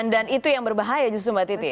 dan itu yang berbahaya justru mbak titi ya